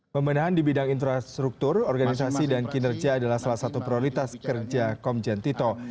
pembenahan di bidang infrastruktur organisasi dan kinerja adalah salah satu prioritas kerja komjen tito